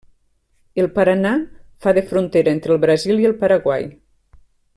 El Paranà fa de frontera entre el Brasil i el Paraguai.